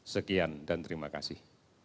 sekian dan terima kasih